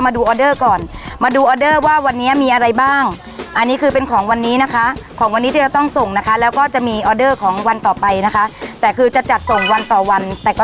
แต่ละวันเนี้ยยอดออนไลน์เนี้ยนะฮะเยอะไหมครับอืมเยอะค่ะเป็นร้อยค่ะโอ้